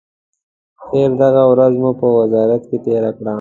خیر، دغه ورځ مو په وزارت کې تېره کړه.